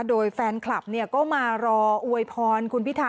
โดยแฟนคลับก็มารออวยพรคุณพิธา